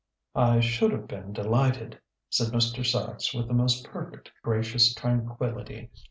"I should have been delighted," said Mr. Sachs with the most perfect gracious tranquillity.